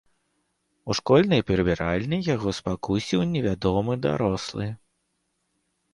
У школьнай прыбіральні яго спакусіў невядомы дарослы.